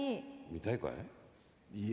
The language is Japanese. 見たいかい？